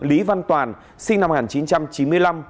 lý văn toàn sinh năm một nghìn chín trăm chín mươi năm